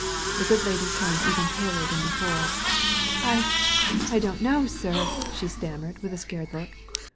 The good lady turned ever paler than before. "I — I don't know, sir," she stammered, with a scared look.